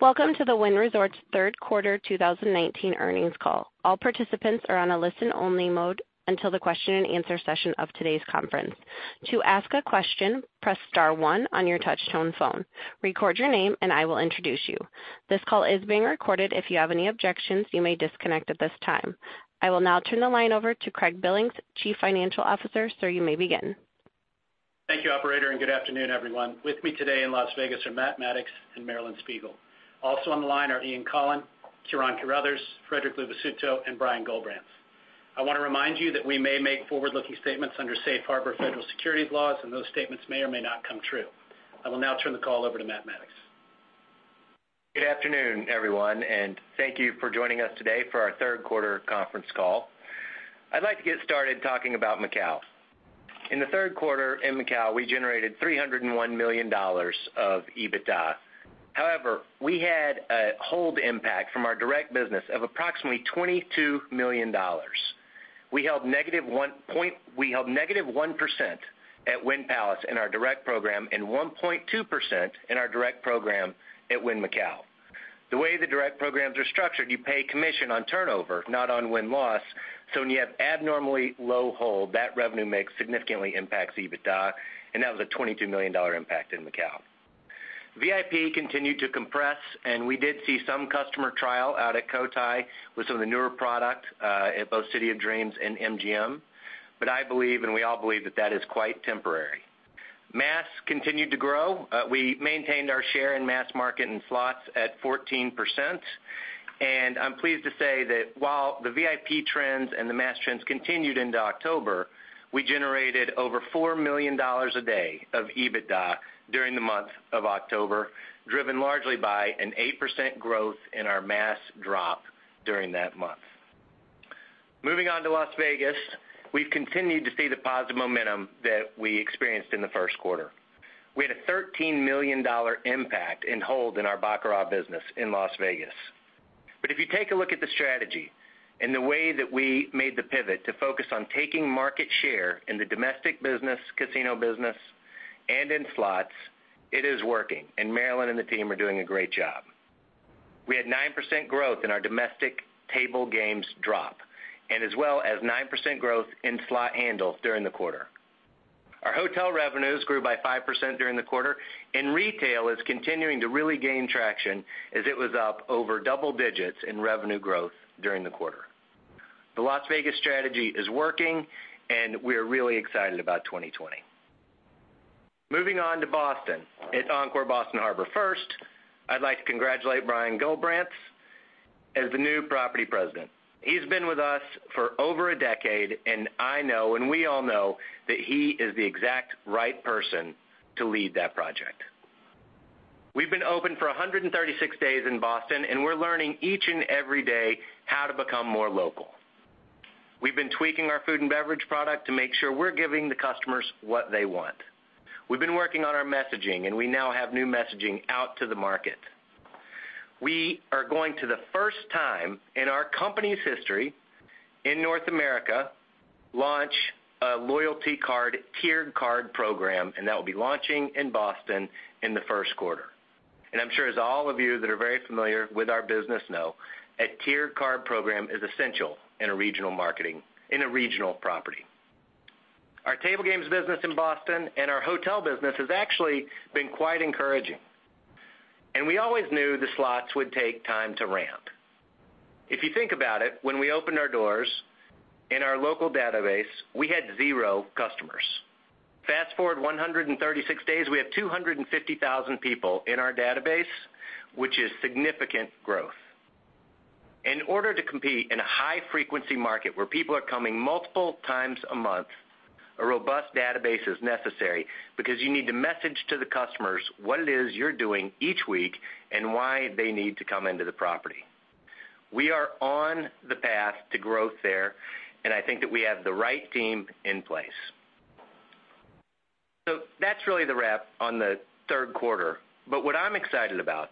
Welcome to the Wynn Resorts third quarter 2019 earnings call. All participants are on a listen-only mode until the question and answer session of today's conference. To ask a question, press star one on your touchtone phone, record your name, and I will introduce you. This call is being recorded. If you have any objections, you may disconnect at this time. I will now turn the line over to Craig Billings, Chief Financial Officer. Sir, you may begin. Thank you, operator, and good afternoon, everyone. With me today in Las Vegas are Matt Maddox and Marilyn Spiegel. Also on the line are Ian Coughlan, Ciarán Carruthers, Frederic Luvisutto, and Brian Gullbrants. I want to remind you that we may make forward-looking statements under Safe Harbor federal securities laws, and those statements may or may not come true. I will now turn the call over to Matt Maddox. Good afternoon, everyone, and thank you for joining us today for our third quarter conference call. I'd like to get started talking about Macau. In the third quarter in Macau, we generated $301 million of EBITDA. However, we had a hold impact from our direct business of approximately $22 million. We held -1% at Wynn Palace in our direct program and 1.2% in our direct program at Wynn Macau. The way the direct programs are structured, you pay commission on turnover, not on win-loss, so when you have abnormally low hold, that revenue mix significantly impacts EBITDA, and that was a $22 million impact in Macau. VIP continued to compress, and we did see some customer trial out at Cotai with some of the newer product at both City of Dreams and MGM. I believe, and we all believe, that that is quite temporary. Mass continued to grow. We maintained our share in mass market and slots at 14%. I'm pleased to say that while the VIP trends and the mass trends continued into October, we generated over $4 million a day of EBITDA during the month of October, driven largely by an 8% growth in our mass drop during that month. Moving on to Las Vegas. We've continued to see the positive momentum that we experienced in the first quarter. We had a $13 million impact in hold in our baccarat business in Las Vegas. If you take a look at the strategy and the way that we made the pivot to focus on taking market share in the domestic business, casino business, and in slots, it is working, and Marilyn and the team are doing a great job. We had 9% growth in our domestic table games drop and as well as 9% growth in slot handles during the quarter. Our hotel revenues grew by 5% during the quarter, and retail is continuing to really gain traction as it was up over double digits in revenue growth during the quarter. The Las Vegas strategy is working, and we are really excited about 2020. Moving on to Boston at Encore Boston Harbor. First, I'd like to congratulate Brian Gullbrants as the new property President. He's been with us for over a decade, and I know, and we all know that he is the exact right person to lead that project. We've been open for 136 days in Boston, and we're learning each and every day how to become more local. We've been tweaking our food and beverage product to make sure we're giving the customers what they want. We've been working on our messaging, and we now have new messaging out to the market. We are going to, the first time in our company's history in North America, launch a loyalty card, tiered card program, and that will be launching in Boston in the first quarter. I'm sure as all of you that are very familiar with our business know, a tiered card program is essential in a regional property. Our table games business in Boston and our hotel business has actually been quite encouraging, and we always knew the slots would take time to ramp. If you think about it, when we opened our doors in our local database, we had zero customers. Fast-forward 136 days, we have 250,000 people in our database, which is significant growth. In order to compete in a high-frequency market where people are coming multiple times a month, a robust database is necessary because you need to message to the customers what it is you're doing each week and why they need to come into the property. We are on the path to growth there, and I think that we have the right team in place. That's really the wrap on the third quarter. What I'm excited about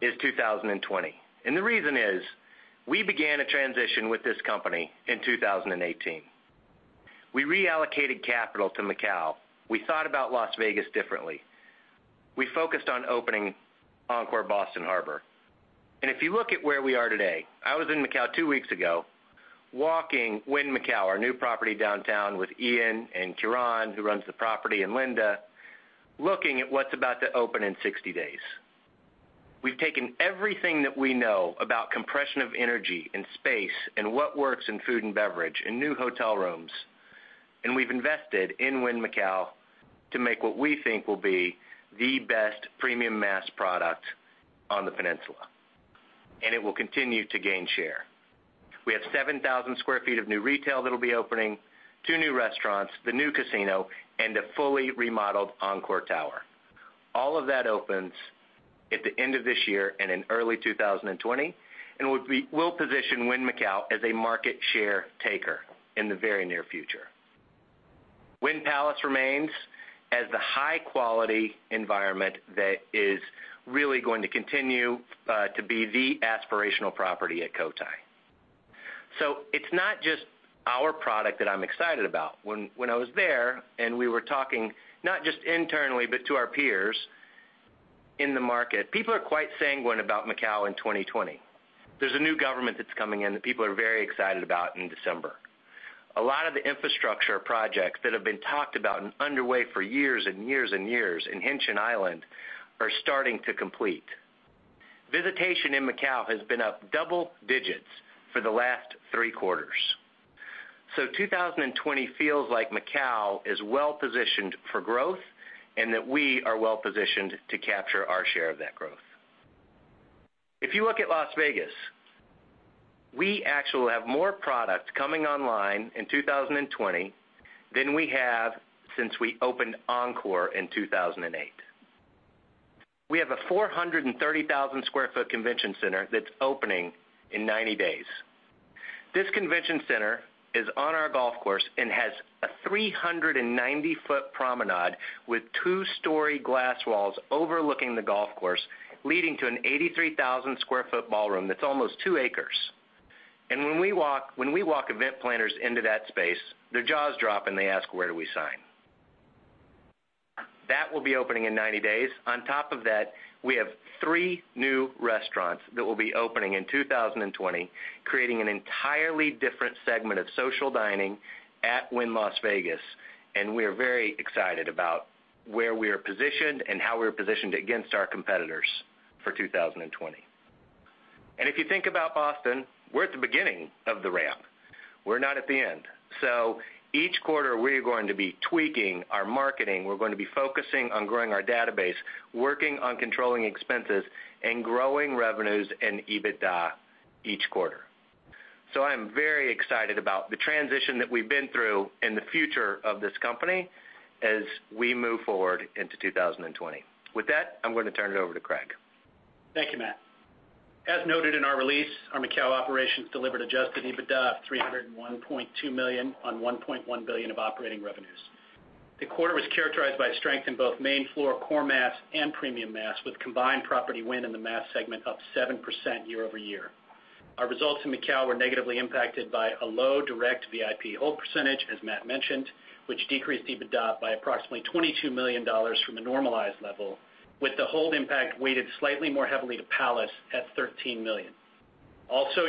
is 2020, and the reason is we began a transition with this company in 2018. We reallocated capital to Macau. We thought about Las Vegas differently. We focused on opening Encore Boston Harbor. If you look at where we are today, I was in Macau two weeks ago walking Wynn Macau, our new property downtown, with Ian and Ciarán, who runs the property, and Linda, looking at what's about to open in 60 days. We've taken everything that we know about compression of energy and space and what works in food and beverage and new hotel rooms, and we've invested in Wynn Macau to make what we think will be the best premium mass product on the peninsula, and it will continue to gain share. We have 7,000 sq ft of new retail that'll be opening, two new restaurants, the new casino, and a fully remodeled Encore tower. All of that opens at the end of this year and in early 2020 and will position Wynn Macau as a market share taker in the very near future. Wynn Palace remains as the high-quality environment that is really going to continue to be the aspirational property at Cotai. It's not just our product that I'm excited about. When I was there, and we were talking, not just internally, but to our peers in the market, people are quite sanguine about Macau in 2020. There's a new government that's coming in that people are very excited about in December. A lot of the infrastructure projects that have been talked about and underway for years and years and years in Hengqin Island are starting to complete. Visitation in Macau has been up double digits for the last three quarters. 2020 feels like Macau is well-positioned for growth, and that we are well-positioned to capture our share of that growth. If you look at Las Vegas, we actually will have more product coming online in 2020 than we have since we opened Encore in 2008. We have a 430,000 sq ft convention center that's opening in 90 days. This convention center is on our golf course and has a 390-foot promenade with two-story glass walls overlooking the golf course, leading to an 83,000 sq ft ballroom that's almost 2 acres. When we walk event planners into that space, their jaws drop, and they ask, "Where do we sign?" That will be opening in 90 days. On top of that, we have 3 new restaurants that will be opening in 2020, creating an entirely different segment of social dining at Wynn Las Vegas, and we are very excited about where we are positioned and how we're positioned against our competitors for 2020. If you think about Boston, we're at the beginning of the ramp. We're not at the end. Each quarter, we are going to be tweaking our marketing. We're going to be focusing on growing our database, working on controlling expenses, and growing revenues and EBITDA each quarter. I am very excited about the transition that we've been through and the future of this company as we move forward into 2020. With that, I'm going to turn it over to Craig. Thank you, Matt. As noted in our release, our Macau operations delivered adjusted EBITDA of $301.2 million on $1.1 billion of operating revenues. The quarter was characterized by strength in both main floor core mass and premium mass, with combined property win in the mass segment up 7% year-over-year. Our results in Macau were negatively impacted by a low direct VIP hold percentage, as Matt mentioned, which decreased EBITDA by approximately $22 million from a normalized level, with the hold impact weighted slightly more heavily to Palace at $13 million.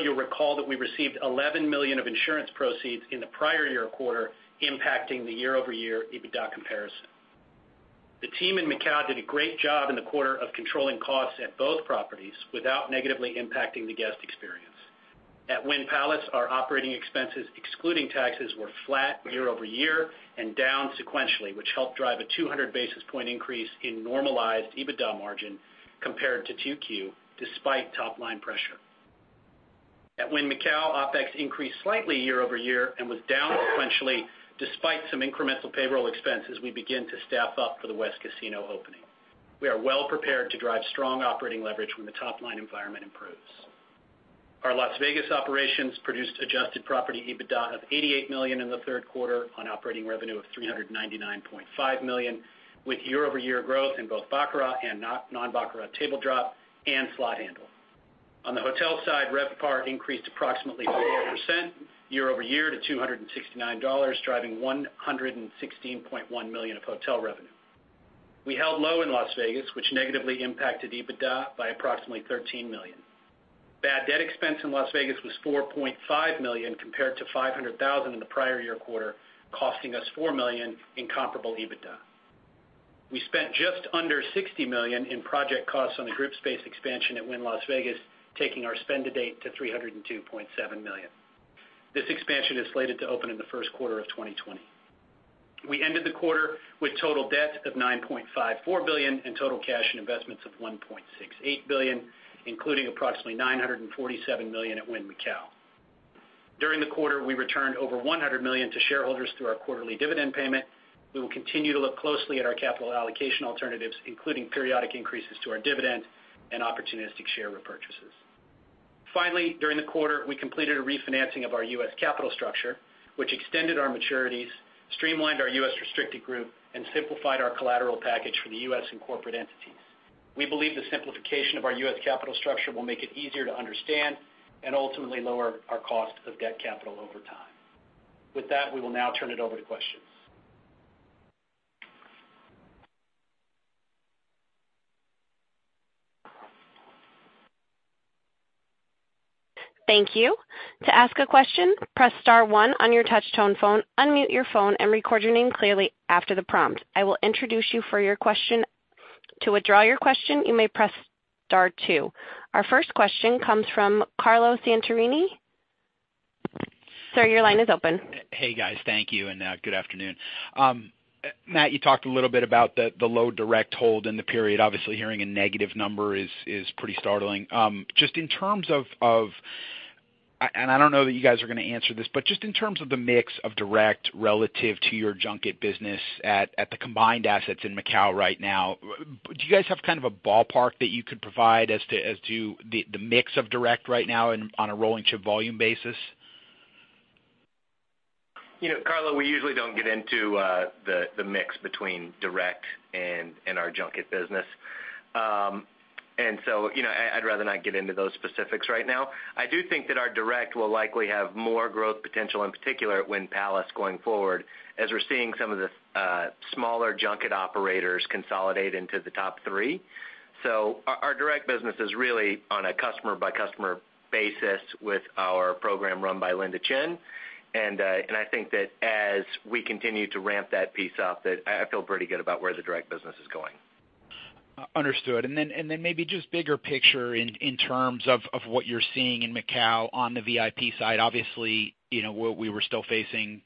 You'll recall that we received $11 million of insurance proceeds in the prior year quarter, impacting the year-over-year EBITDA comparison. The team in Macau did a great job in the quarter of controlling costs at both properties without negatively impacting the guest experience. At Wynn Palace, our operating expenses, excluding taxes, were flat year-over-year and down sequentially, which helped drive a 200 basis point increase in normalized EBITDA margin compared to 2Q, despite top-line pressure. At Wynn Macau, OpEx increased slightly year-over-year and was down sequentially, despite some incremental payroll expenses we begin to staff up for the West Casino opening. We are well prepared to drive strong operating leverage when the top-line environment improves. Our Las Vegas operations produced adjusted property EBITDA of $88 million in the third quarter on operating revenue of $399.5 million, with year-over-year growth in both baccarat and non-baccarat table drop and slot handle. On the hotel side, RevPAR increased approximately 4% year-over-year to $269, driving $116.1 million of hotel revenue. We held low in Las Vegas, which negatively impacted EBITDA by approximately $13 million. Bad debt expense in Las Vegas was $4.5 million compared to $500,000 in the prior year quarter, costing us $4 million in comparable EBITDA. We spent just under $60 million in project costs on the group space expansion at Wynn Las Vegas, taking our spend to date to $302.7 million. This expansion is slated to open in the first quarter of 2020. We ended the quarter with total debt of $9.54 billion and total cash and investments of $1.68 billion, including approximately $947 million at Wynn Macau. During the quarter, we returned over $100 million to shareholders through our quarterly dividend payment. We will continue to look closely at our capital allocation alternatives, including periodic increases to our dividend and opportunistic share repurchases. During the quarter, we completed a refinancing of our U.S. capital structure, which extended our maturities, streamlined our U.S. restricted group, and simplified our collateral package for the U.S. and corporate entities. We believe the simplification of our U.S. capital structure will make it easier to understand and ultimately lower our cost of debt capital over time. With that, we will now turn it over to questions. Thank you. To ask a question, press *1 on your touch-tone phone, unmute your phone, and record your name clearly after the prompt. I will introduce you for your question. To withdraw your question, you may press *2. Our first question comes from Carlo Santarelli. Sir, your line is open. Hey, guys. Thank you, good afternoon. Matt, you talked a little bit about the low direct hold in the period. Obviously, hearing a negative number is pretty startling. I don't know that you guys are going to answer this, but just in terms of the mix of direct relative to your junket business at the combined assets in Macau right now, do you guys have kind of a ballpark that you could provide as to the mix of direct right now on a rolling chip volume basis? Carlo, we usually don't get into the mix between direct and our junket business. I'd rather not get into those specifics right now. I do think that our direct will likely have more growth potential, in particular at Wynn Palace going forward, as we're seeing some of the smaller junket operators consolidate into the top three. Our direct business is really on a customer-by-customer basis with our program run by Linda Chen. I think that as we continue to ramp that piece up, that I feel pretty good about where the direct business is going. Understood. Maybe just bigger picture in terms of what you're seeing in Macau on the VIP side. Obviously, we were still facing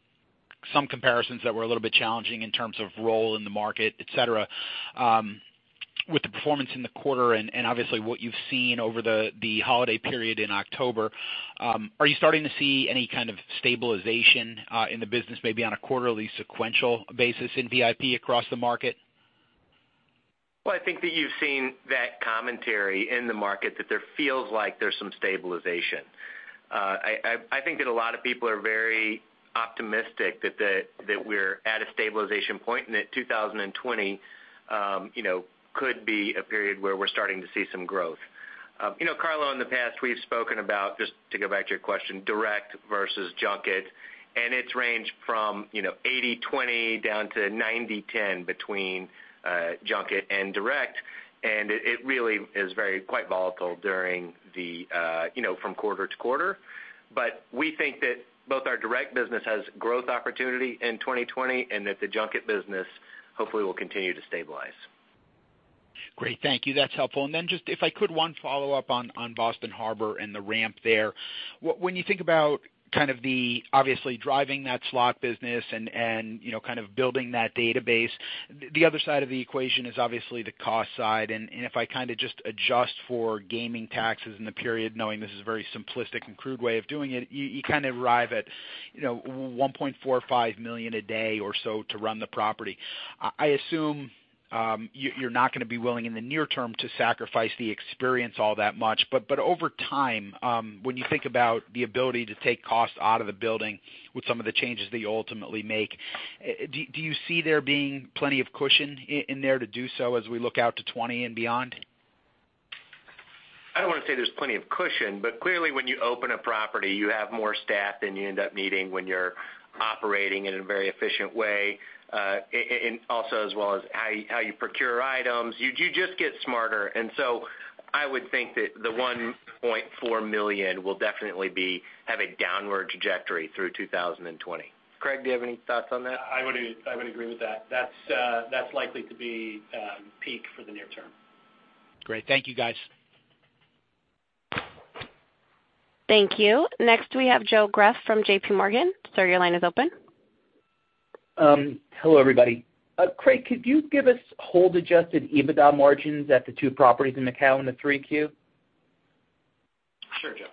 some comparisons that were a little bit challenging in terms of role in the market, et cetera. With the performance in the quarter and obviously what you've seen over the holiday period in October, are you starting to see any kind of stabilization in the business, maybe on a quarterly sequential basis in VIP across the market? Well, I think that you've seen that commentary in the market that there feels like there's some stabilization. I think that a lot of people are very optimistic that we're at a stabilization point and that 2020 could be a period where we're starting to see some growth. Carlo Santarelli, in the past, we've spoken about, just to go back to your question, direct versus junket, and it's ranged from, 80/20 down to 90/10 between junket and direct, and it really is very, quite volatile from quarter to quarter. We think that both our direct business has growth opportunity in 2020 and that the junket business hopefully will continue to stabilize. Great. Thank you. That's helpful. Then just if I could, one follow-up on Boston Harbor and the ramp there. When you think about kind of the, obviously driving that slot business and kind of building that database, the other side of the equation is obviously the cost side. If I kind of just adjust for gaming taxes in the period, knowing this is a very simplistic and crude way of doing it, you kind of arrive at $1.45 million a day or so to run the property. I assume you're not going to be willing in the near term to sacrifice the experience all that much. Over time, when you think about the ability to take costs out of the building with some of the changes that you ultimately make, do you see there being plenty of cushion in there to do so as we look out to 2020 and beyond? I don't want to say there's plenty of cushion, clearly when you open a property, you have more staff than you end up needing when you're operating in a very efficient way, also as well as how you procure items. You just get smarter. I would think that the $1.4 million will definitely have a downward trajectory through 2020. Craig, do you have any thoughts on that? I would agree with that. That's likely to be peak for the near term. Great. Thank you, guys. Thank you. Next, we have Joe Greff from J.P. Morgan. Sir, your line is open. Hello, everybody. Craig, could you give us hold adjusted EBITDA margins at the two properties in Macau in the 3Q? Sure, Joe.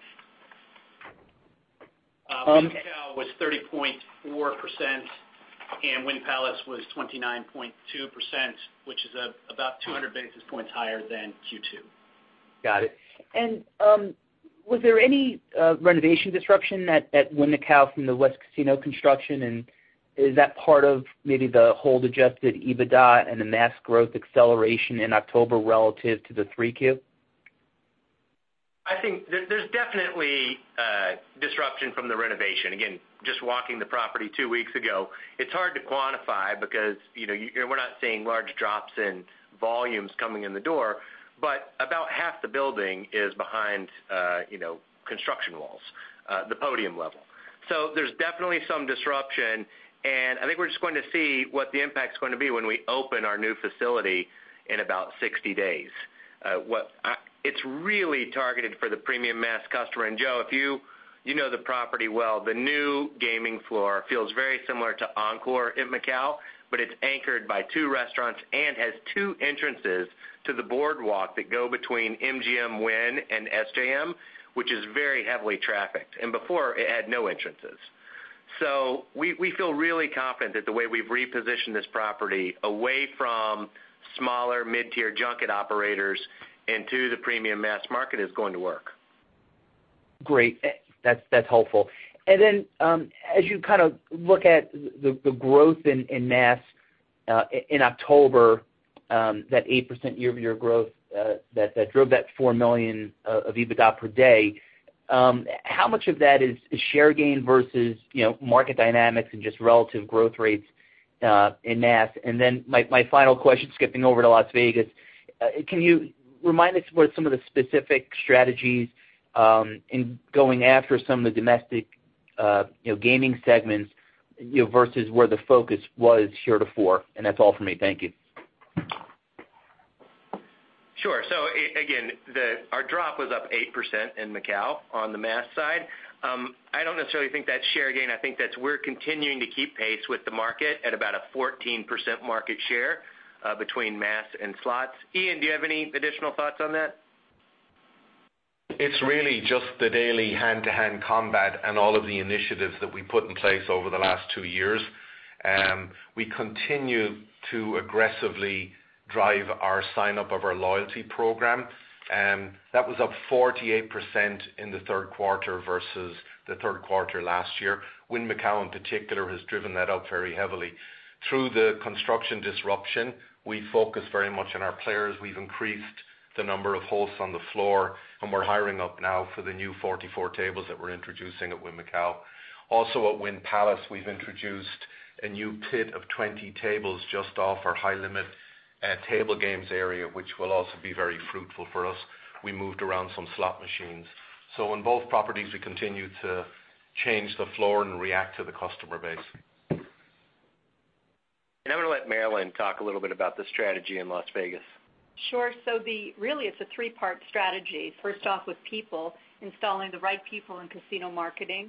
Wynn Macau was 30.4%, and Wynn Palace was 29.2%, which is about 200 basis points higher than Q2. Got it. Was there any renovation disruption at Wynn Macau from the west casino construction? Is that part of maybe the hold adjusted EBITDA and the mass growth acceleration in October relative to the 3Q? I think there's definitely disruption from the renovation. Again, just walking the property two weeks ago, it's hard to quantify because we're not seeing large drops in volumes coming in the door, but about half the building is behind construction walls, the podium level. There's definitely some disruption, and I think we're just going to see what the impact's going to be when we open our new facility in about 60 days. It's really targeted for the premium mass customer. Joe, you know the property well. The new gaming floor feels very similar to Encore in Macau, but it's anchored by two restaurants and has two entrances to the boardwalk that go between MGM, Wynn, and SJM, which is very heavily trafficked. Before, it had no entrances. We feel really confident that the way we've repositioned this property away from smaller mid-tier junket operators into the premium mass market is going to work. Great. That's helpful. Then, as you kind of look at the growth in mass, in October, that 8% year-over-year growth that drove that $4 million of EBITDA per day, how much of that is share gain versus market dynamics and just relative growth rates, in mass? Then my final question, skipping over to Las Vegas, can you remind us what some of the specific strategies, in going after some of the domestic gaming segments versus where the focus was heretofore? That's all from me. Thank you. Sure. Again, our drop was up 8% in Macau on the mass side. I don't necessarily think that's share gain. I think that's we're continuing to keep pace with the market at about a 14% market share between mass and slots. Ian, do you have any additional thoughts on that? It's really just the daily hand-to-hand combat and all of the initiatives that we put in place over the last two years. We continue to aggressively drive our sign-up of our loyalty program. That was up 48% in the third quarter versus the third quarter last year. Wynn Macau in particular, has driven that up very heavily. Through the construction disruption, we focus very much on our players. We've increased the number of hosts on the floor, and we're hiring up now for the new 44 tables that we're introducing at Wynn Macau. Also at Wynn Palace, we've introduced a new pit of 20 tables just off our high limit table games area, which will also be very fruitful for us. We moved around some slot machines. In both properties, we continue to change the floor and react to the customer base. I'm going to let Marilyn talk a little bit about the strategy in Las Vegas. Sure. Really, it's a three-part strategy. First off with people, installing the right people in casino marketing.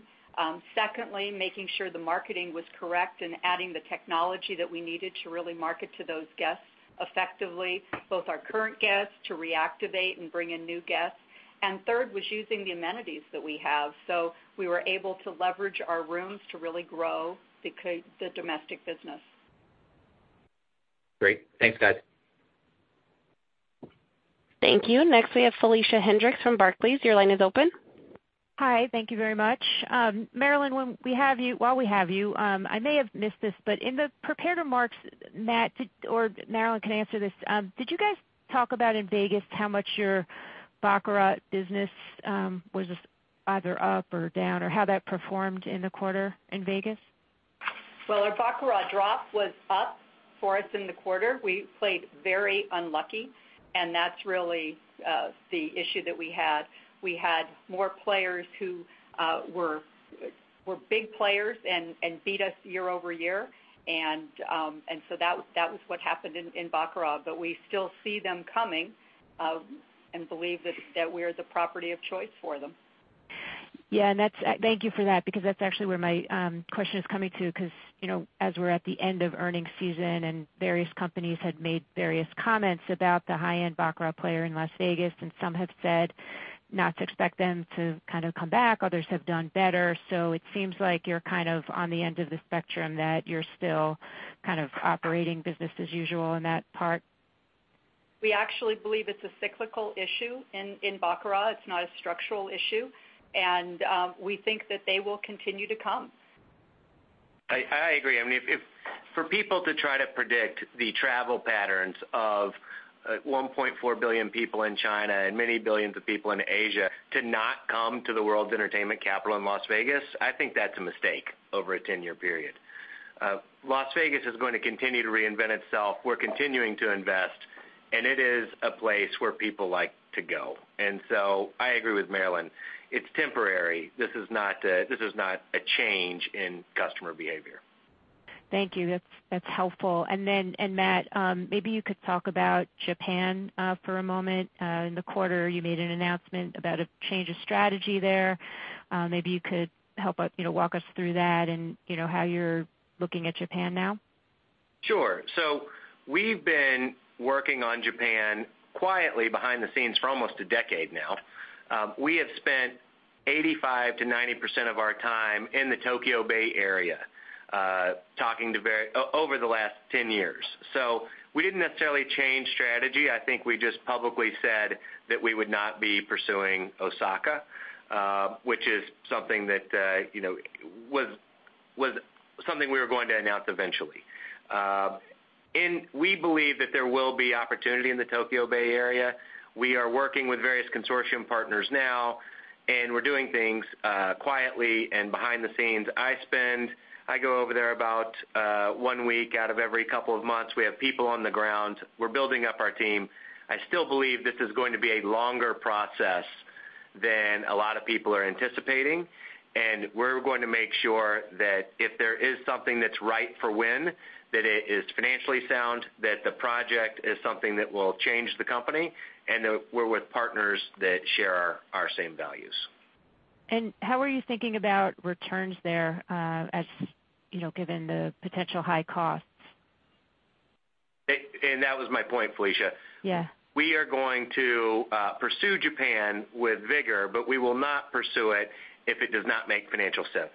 Secondly, making sure the marketing was correct and adding the technology that we needed to really market to those guests effectively, both our current guests to reactivate and bring in new guests. Third was using the amenities that we have. We were able to leverage our rooms to really grow the domestic business. Great. Thanks, guys. Thank you. Next, we have Felicia Hendrix from Barclays. Your line is open. Hi. Thank you very much. Marilyn, while we have you, I may have missed this, but in the prepared remarks, Matt or Marilyn can answer this, did you guys talk about in Vegas how much your baccarat business was either up or down, or how that performed in the quarter in Vegas? Well, our baccarat drop was up for us in the quarter. We played very unlucky, and that's really the issue that we had. We had more players who were big players and beat us year-over-year. That was what happened in baccarat, but we still see them coming, and believe that we're the property of choice for them. Yeah, thank you for that because that's actually where my question is coming to, because as we're at the end of earnings season and various companies had made various comments about the high-end Baccarat player in Las Vegas, and some have said not to expect them to kind of come back, others have done better. It seems like you're kind of on the end of the spectrum, that you're still kind of operating business as usual in that part. We actually believe it's a cyclical issue in baccarat. It's not a structural issue. We think that they will continue to come. I agree. I mean, for people to try to predict the travel patterns of 1.4 billion people in China and many billions of people in Asia to not come to the world's entertainment capital in Las Vegas, I think that's a mistake over a 10-year period. Las Vegas is going to continue to reinvent itself. We're continuing to invest, and it is a place where people like to go. I agree with Marilyn. It's temporary. This is not a change in customer behavior. Thank you. That's helpful. Matt, maybe you could talk about Japan for a moment. In the quarter, you made an announcement about a change of strategy there. Maybe you could help walk us through that and how you're looking at Japan now. Sure. We've been working on Japan quietly behind the scenes for almost a decade now. We have spent 85%-90% of our time in the Tokyo Bay Area over the last 10 years. We didn't necessarily change strategy. I think we just publicly said that we would not be pursuing Osaka, which is something we were going to announce eventually. We believe that there will be opportunity in the Tokyo Bay Area. We are working with various consortium partners now, and we're doing things quietly and behind the scenes. I go over there about one week out of every couple of months. We have people on the ground. We're building up our team. I still believe this is going to be a longer process than a lot of people are anticipating, and we're going to make sure that if there is something that's right for Wynn, that it is financially sound, that the project is something that will change the company, and that we're with partners that share our same values. How are you thinking about returns there, given the potential high costs? that was my point, Felicia. Yeah. We are going to pursue Japan with vigor. We will not pursue it if it does not make financial sense.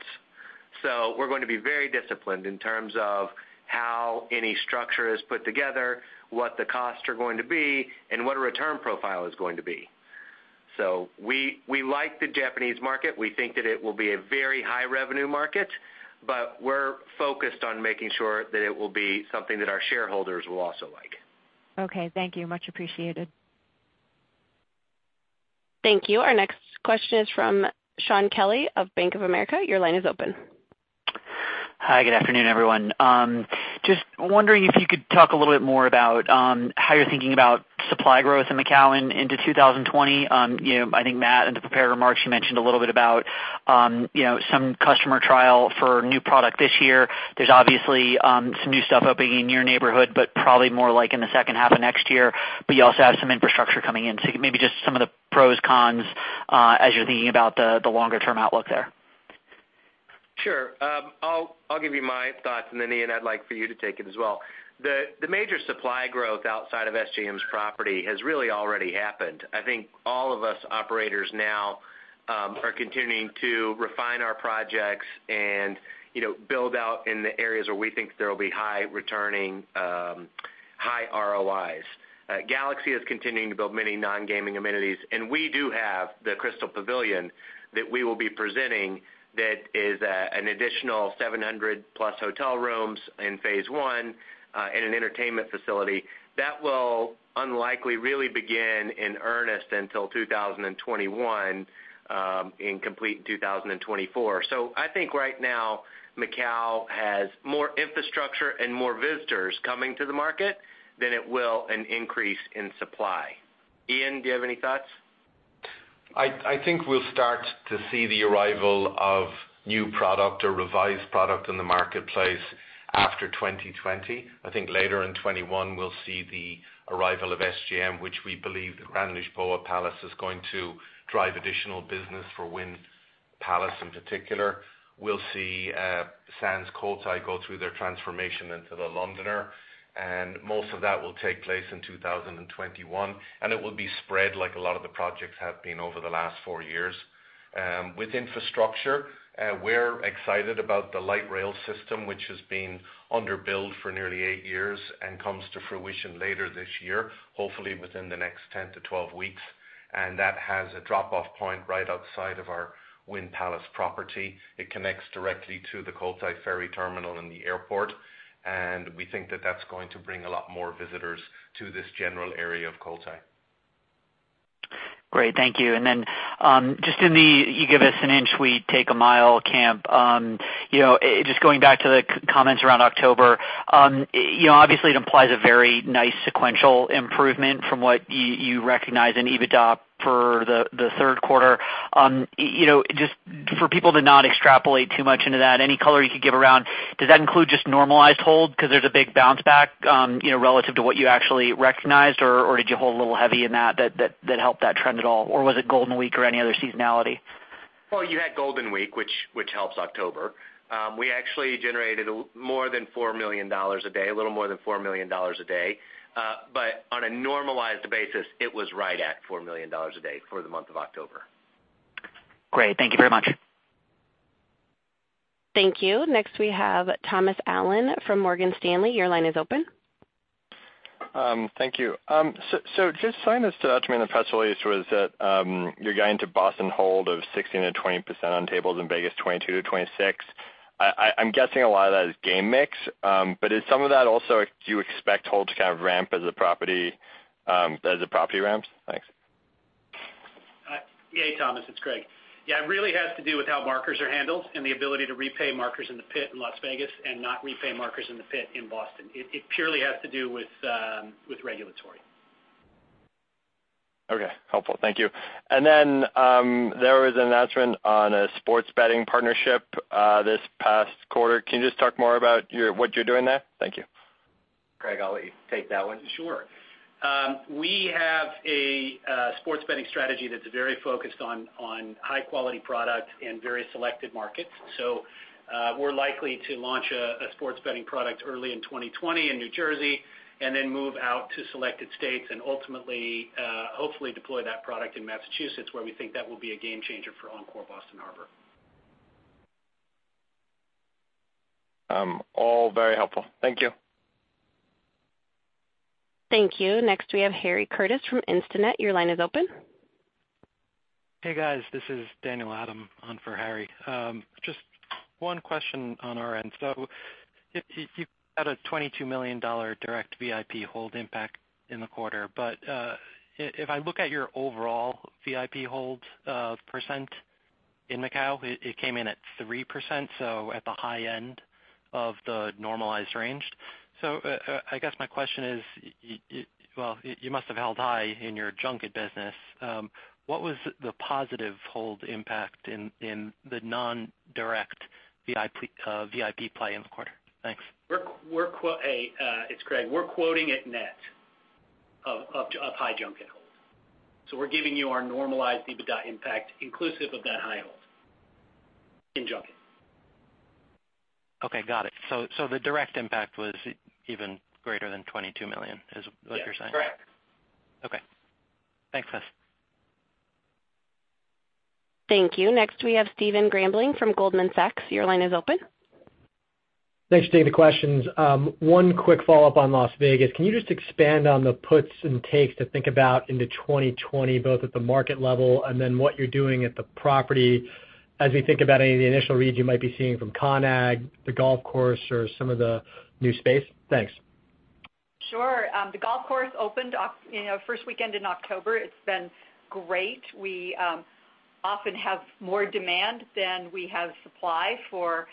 We're going to be very disciplined in terms of how any structure is put together, what the costs are going to be, and what a return profile is going to be. We like the Japanese market. We think that it will be a very high revenue market, but we're focused on making sure that it will be something that our shareholders will also like. Okay, thank you. Much appreciated. Thank you. Our next question is from Shaun Kelley of Bank of America. Your line is open. Hi, good afternoon, everyone. Just wondering if you could talk a little bit more about how you're thinking about supply growth in Macau into 2020. I think Matt, in the prepared remarks, you mentioned a little bit about some customer trial for new product this year. There's obviously some new stuff opening in your neighborhood, but probably more like in the second half of next year, but you also have some infrastructure coming in. Maybe just some of the pros, cons, as you're thinking about the longer-term outlook there. Sure. I'll give you my thoughts, and then, Ian, I'd like for you to take it as well. The major supply growth outside of SJM's property has really already happened. I think all of us operators now are continuing to refine our projects and build out in the areas where we think there will be high returning. High ROIs. Galaxy is continuing to build many non-gaming amenities, and we do have the Crystal Pavilion that we will be presenting that is an additional 700-plus hotel rooms in phase 1, and an entertainment facility. That will unlikely really begin in earnest until 2021, and complete in 2024. I think right now, Macau has more infrastructure and more visitors coming to the market than it will an increase in supply. Ian, do you have any thoughts? I think we'll start to see the arrival of new product or revised product in the marketplace after 2020. I think later in 2021, we'll see the arrival of SJM, which we believe the Grand Lisboa Palace is going to drive additional business for Wynn Palace in particular. We'll see Sands Cotai go through their transformation into The Londoner, and most of that will take place in 2021. It will be spread like a lot of the projects have been over the last four years. With infrastructure, we're excited about the light rail system, which has been under build for nearly eight years and comes to fruition later this year, hopefully within the next 10 to 12 weeks. That has a drop-off point right outside of our Wynn Palace property. It connects directly to the Cotai Ferry Terminal and the airport, and we think that that's going to bring a lot more visitors to this general area of Cotai. Great, thank you. Just in the you give us an inch, we take a mile camp. Just going back to the comments around October. Obviously, it implies a very nice sequential improvement from what you recognize in EBITDA for the third quarter. Just for people to not extrapolate too much into that, any color you could give around, does that include just normalized hold because there's a big bounce back relative to what you actually recognized? Did you hold a little heavy in that helped that trend at all? Was it Golden Week or any other seasonality? Well, you had Golden Week, which helps October. We actually generated a little more than $4 million a day. On a normalized basis, it was right at $4 million a day for the month of October. Great. Thank you very much. Thank you. Next, we have Thomas Allen from Morgan Stanley. Your line is open. Thank you. Just something that stood out to me in the press release was that you're guiding to Boston hold of 16%-20% on tables, and Vegas 22%-26%. I'm guessing a lot of that is game mix. Is some of that also, do you expect hold to kind of ramp as the property ramps? Thanks. Hey, Thomas. It's Craig. Yeah, it really has to do with how markers are handled and the ability to repay markers in the pit in Las Vegas and not repay markers in the pit in Boston. It purely has to do with regulatory. Okay, helpful. Thank you. There was an announcement on a sports betting partnership this past quarter. Can you just talk more about what you're doing there? Thank you. Craig, I'll let you take that one. Sure. We have a sports betting strategy that's very focused on high-quality product in very selected markets. We're likely to launch a sports betting product early in 2020 in New Jersey, and then move out to selected states and ultimately, hopefully deploy that product in Massachusetts, where we think that will be a game changer for Encore Boston Harbor. All very helpful. Thank you. Thank you. Next, we have Harry Curtis from Instinet. Your line is open. Hey, guys. This is Daniel Adam on for Harry. Just one question on our end. You've got a $22 million direct VIP hold impact in the quarter. If I look at your overall VIP hold % in Macau, it came in at 3%, so at the high end of the normalized range. I guess my question is, well, you must have held high in your junket business. What was the positive hold impact in the non-direct VIP play in the quarter? Thanks. It's Craig. We're quoting it net of high junket holds. We're giving you our normalized EBITDA impact inclusive of that high hold in junket. Okay, got it. The direct impact was even greater than $22 million, is what you're saying? Yeah, correct. Okay. Thanks, guys. Thank you. Next, we have Stephen Grambling from Goldman Sachs. Your line is open. Thanks for taking the questions. One quick follow-up on Las Vegas. Can you just expand on the puts and takes to think about into 2020, both at the market level and then what you're doing at the property as we think about any of the initial reads you might be seeing from CONAG, the golf course, or some of the new space? Thanks. Sure. The golf course opened first weekend in October. It's been great. We often have more demand than we have supply for the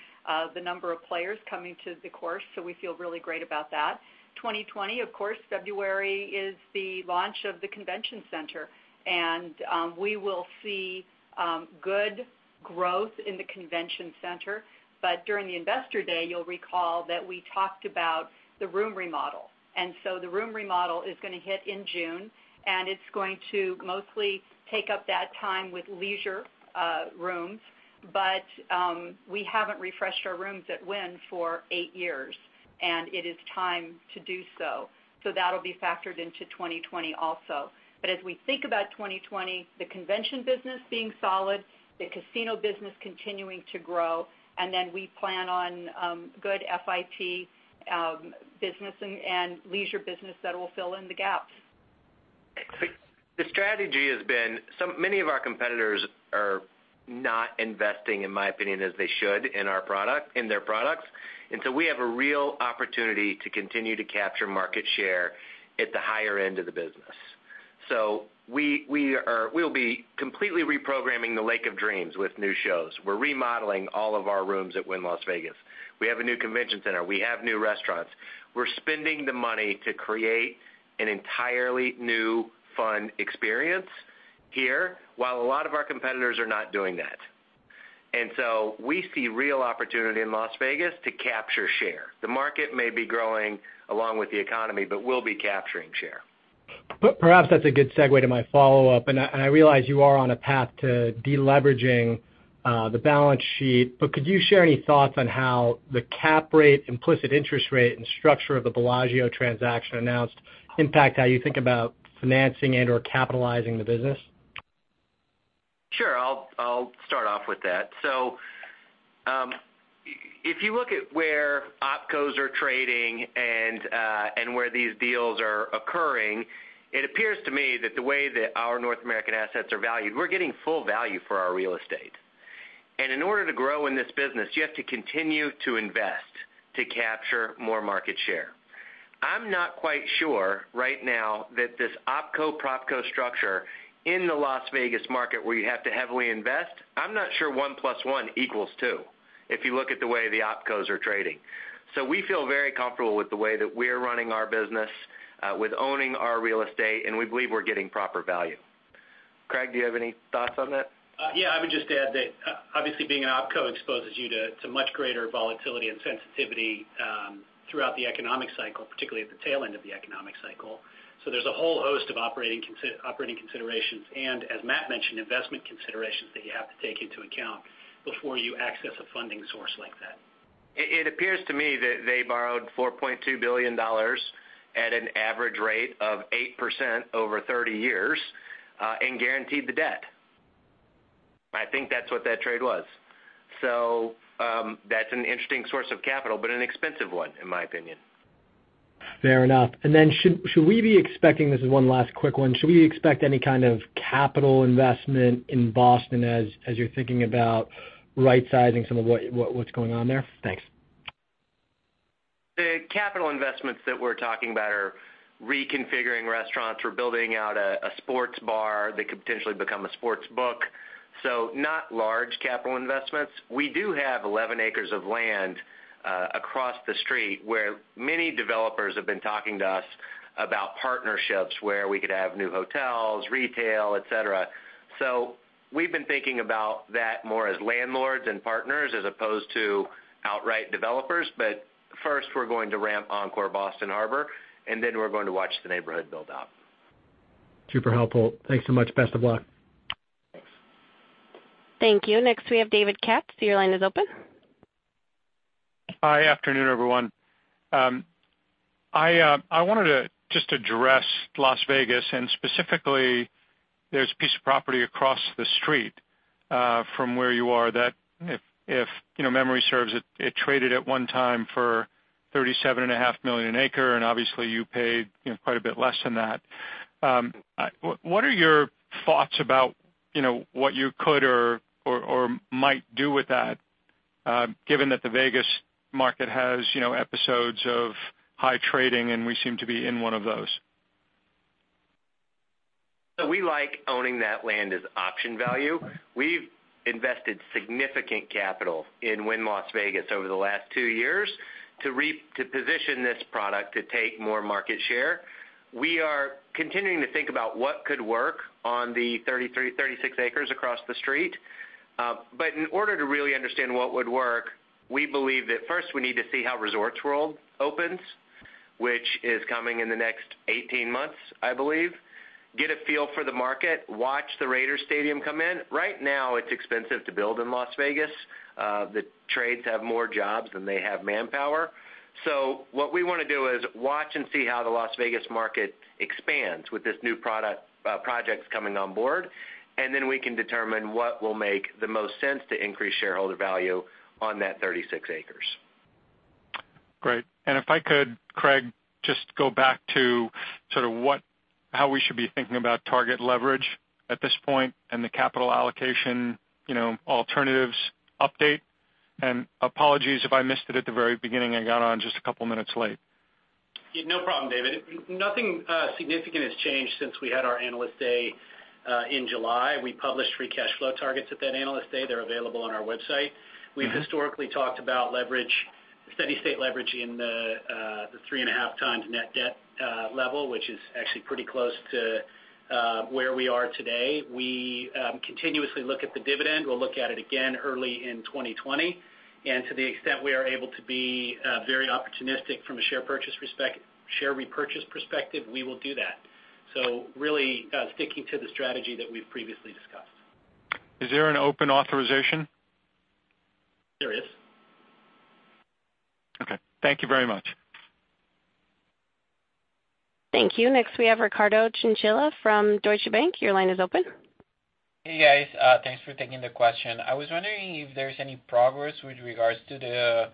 number of players coming to the course, so we feel really great about that. 2020, of course, February is the launch of the convention center. We will see good growth in the convention center. During the Analyst Day, you'll recall that we talked about the room remodel. The room remodel is going to hit in June, and it's going to mostly take up that time with leisure rooms. We haven't refreshed our rooms at Wynn for eight years, and it is time to do so. That'll be factored into 2020 also. As we think about 2020, the convention business being solid, the casino business continuing to grow, and then we plan on good FIT business and leisure business that will fill in the gaps. The strategy has been many of our competitors are not investing, in my opinion, as they should in their products. We have a real opportunity to continue to capture market share at the higher end of the business. We'll be completely reprogramming the Lake of Dreams with new shows. We're remodeling all of our rooms at Wynn Las Vegas. We have a new convention center. We have new restaurants. We're spending the money to create an entirely new, fun experience here, while a lot of our competitors are not doing that. We see real opportunity in Las Vegas to capture share. The market may be growing along with the economy, but we'll be capturing share. Perhaps that's a good segue to my follow-up, and I realize you are on a path to de-leveraging the balance sheet, but could you share any thoughts on how the cap rate, implicit interest rate, and structure of the Bellagio transaction announced impact how you think about financing and/or capitalizing the business? Sure. I'll start off with that. If you look at where OpCos are trading and where these deals are occurring, it appears to me that the way that our North American assets are valued, we're getting full value for our real estate. In order to grow in this business, you have to continue to invest to capture more market share. I'm not quite sure right now that this OpCo/propco structure in the Las Vegas market where you have to heavily invest, I'm not sure one plus one equals two, if you look at the way the OpCos are trading. We feel very comfortable with the way that we're running our business, with owning our real estate, and we believe we're getting proper value. Craig, do you have any thoughts on that? Yeah, I would just add that obviously being an OpCo exposes you to much greater volatility and sensitivity throughout the economic cycle, particularly at the tail end of the economic cycle. There's a whole host of operating considerations and, as Matt mentioned, investment considerations that you have to take into account before you access a funding source like that. It appears to me that they borrowed $4.2 billion at an average rate of 8% over 30 years, and guaranteed the debt. I think that's what that trade was. That's an interesting source of capital, but an expensive one, in my opinion. Fair enough. Should we be expecting, this is one last quick one, should we expect any kind of capital investment in Boston as you're thinking about right-sizing some of what's going on there? Thanks. The capital investments that we're talking about are reconfiguring restaurants. We're building out a sports bar that could potentially become a sports book. Not large capital investments. We do have 11 acres of land across the street where many developers have been talking to us about partnerships where we could have new hotels, retail, et cetera. We've been thinking about that more as landlords and partners as opposed to outright developers. First we're going to ramp Encore Boston Harbor, and then we're going to watch the neighborhood build out. Super helpful. Thanks so much. Best of luck. Thanks. Thank you. Next we have David Katz. Your line is open. Hi. Afternoon, everyone. I wanted to just address Las Vegas and specifically, there's a piece of property across the street from where you are that if memory serves, it traded at one time for $37 and a half million an acre, and obviously you paid quite a bit less than that. What are your thoughts about what you could or might do with that, given that the Vegas market has episodes of high trading and we seem to be in one of those? We like owning that land as option value. We've invested significant capital in Wynn Las Vegas over the last two years to position this product to take more market share. We are continuing to think about what could work on the 36 acres across the street. In order to really understand what would work, we believe that first we need to see how Resorts World opens, which is coming in the next 18 months, I believe. Get a feel for the market, watch the Raiders stadium come in. Right now it's expensive to build in Las Vegas. The trades have more jobs than they have manpower. What we want to do is watch and see how the Las Vegas market expands with these new projects coming on board, and then we can determine what will make the most sense to increase shareholder value on that 36 acres. Great. If I could, Craig, just go back to how we should be thinking about target leverage at this point and the capital allocation alternatives update. Apologies if I missed it at the very beginning. I got on just a couple minutes late. No problem, David. Nothing significant has changed since we had our Analyst Day in July. We published free cash flow targets at that Analyst Day. They're available on our website. We've historically talked about steady state leverage in the three and a half times net debt level, which is actually pretty close to where we are today. We continuously look at the dividend. We'll look at it again early in 2020. To the extent we are able to be very opportunistic from a share repurchase perspective, we will do that. Really sticking to the strategy that we've previously discussed. Is there an open authorization? There is. Okay. Thank you very much. Thank you. Next we have Ricardo Chinchilla from Deutsche Bank. Your line is open. Hey, guys. Thanks for taking the question. I was wondering if there's any progress with regards to the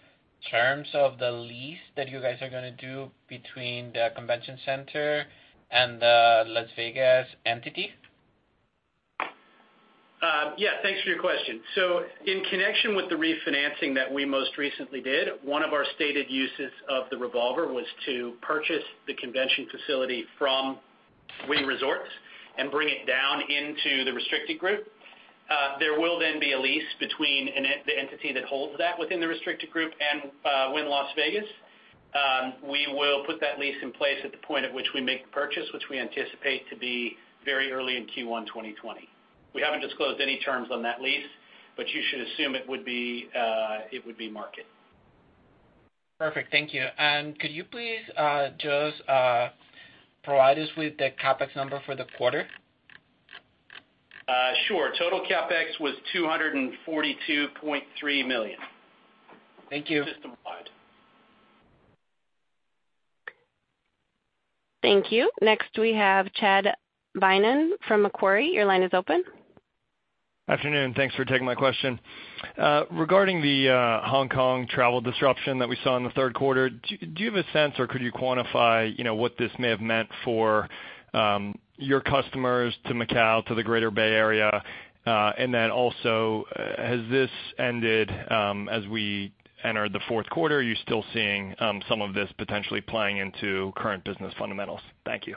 terms of the lease that you guys are going to do between the convention center and the Las Vegas entity? Yeah, thanks for your question. In connection with the refinancing that we most recently did, one of our stated uses of the revolver was to purchase the convention facility from Wynn Resorts and bring it down into the restricted group. There will then be a lease between the entity that holds that within the restricted group and Wynn Las Vegas. We will put that lease in place at the point at which we make the purchase, which we anticipate to be very early in Q1 2020. We haven't disclosed any terms on that lease, but you should assume it would be market. Perfect, thank you. Could you please, Joe, provide us with the CapEx number for the quarter? Sure. Total CapEx was $242.3 million. Thank you. system wide. Thank you. Next, we have Chad Beynon from Macquarie. Your line is open. Afternoon, thanks for taking my question. Regarding the Hong Kong travel disruption that we saw in the third quarter, do you have a sense or could you quantify what this may have meant for your customers to Macau, to the Greater Bay Area? Also, has this ended as we entered the fourth quarter? Are you still seeing some of this potentially playing into current business fundamentals? Thank you.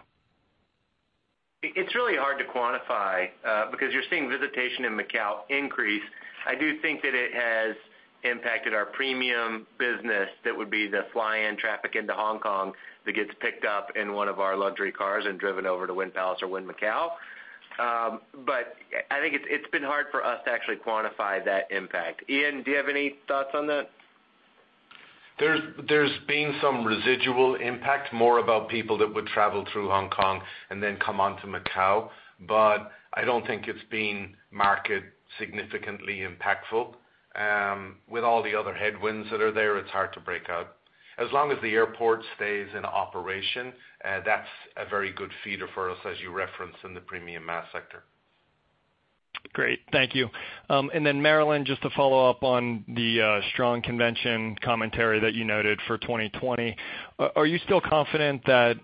It's really hard to quantify because you're seeing visitation in Macau increase. I do think that it has impacted our premium business. That would be the fly-in traffic into Hong Kong that gets picked up in one of our luxury cars and driven over to Wynn Palace or Wynn Macau. I think it's been hard for us to actually quantify that impact. Ian, do you have any thoughts on that? There's been some residual impact, more about people that would travel through Hong Kong and then come on to Macau, but I don't think it's been markedly significantly impactful. With all the other headwinds that are there, it's hard to break out. As long as the airport stays in operation, that's a very good feeder for us as you reference in the premium mass sector. Great. Thank you. Then Marilyn, just to follow up on the strong convention commentary that you noted for 2020, are you still confident that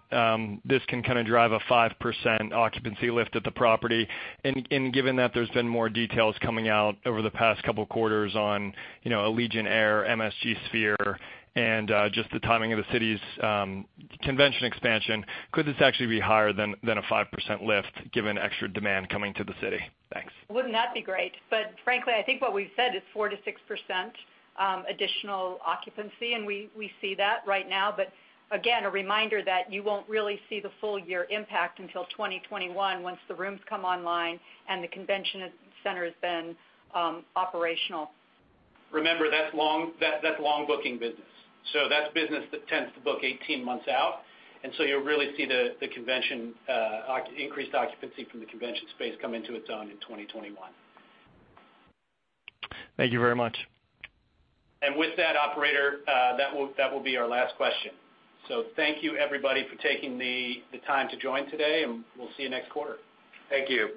this can kind of drive a 5% occupancy lift at the property? Given that there's been more details coming out over the past couple of quarters on Allegiant Air, MSG Sphere, and just the timing of the city's convention expansion, could this actually be higher than a 5% lift given extra demand coming to the city? Thanks. Wouldn't that be great? Frankly, I think what we've said is 4% to 6% additional occupancy, and we see that right now. Again, a reminder that you won't really see the full year impact until 2021 once the rooms come online and the convention center has been operational. Remember, that's long booking business. That's business that tends to book 18 months out, and so you'll really see the increased occupancy from the convention space come into its own in 2021. Thank you very much. With that, operator, that will be our last question. Thank you everybody for taking the time to join today, and we'll see you next quarter. Thank you.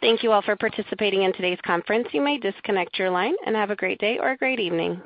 Thank you all for participating in today's conference. You may disconnect your line, and have a great day or a great evening.